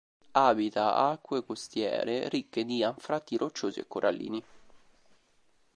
Abita acque costiere ricche di anfratti rocciosi e corallini.